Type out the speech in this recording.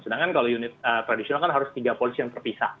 sedangkan kalau unit tradisional kan harus tiga polisi yang terpisah